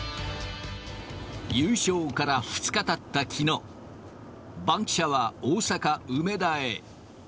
優勝から２日たった、きのう、バンキシャは大阪・梅田へ。